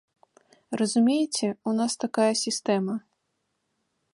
Разумееце, у нас такая сістэма.